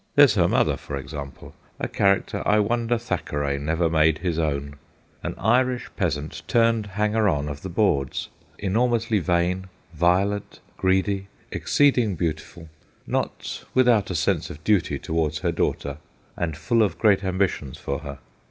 There's her mother, for example, a character I wonder Thackeray never made his own MATER PULCHRIOR 207 an Irish peasant turned hanger on of the boards, enormously vain, violent, greedy, exceeding beautiful, not without a sense of duty towards her daughter, and full of great ambitions for her.